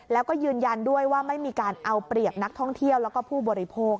แล้วก็ยืนยันด้วยว่าไม่มีการเอาเปรียบนักท่องเที่ยวแล้วก็ผู้บริโภค